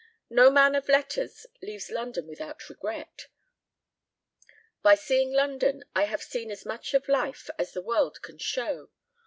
No man of letters leaves London without regret.... By seeing London I have seen as much of life as the world can show....